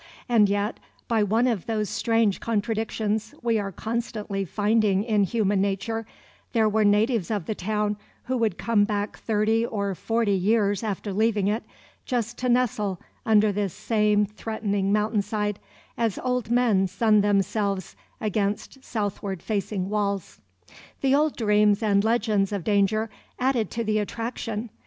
And yet, by one of those strange contradictions we are constantly finding in human nature, there were natives of the town who would come back thirty or forty years after leaving it, just to nestle under this same threatening mountainside, as old men sun themselves against southward facing walls. The old dreams and legends of danger added to the attraction.